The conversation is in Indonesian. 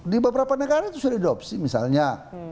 di beberapa negara itu sudah didopsi misalnya